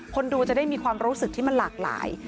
คนดูจะได้มีความรู้สึกที่มันหลากหลาย